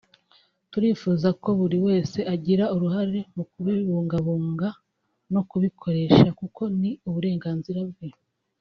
turifuza ko buri wese agira uruhare mu kubibungabunga no kubikoresha kuko ni uburenganzira bwe